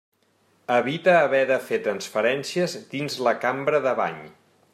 Evita haver de fer transferències dins la cambra de bany.